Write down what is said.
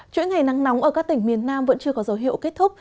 chuỗi ngày nắng nóng ở các tỉnh miền nam vẫn chưa có dấu hiệu kết thúc